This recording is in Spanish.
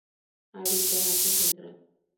Habita en Asia central.